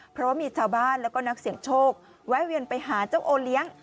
เพราะว่ามีชาวบ้านแล้วก็นักเสี่ยงโชคแวะเวียนไปหาเจ้าโอเลี้ยง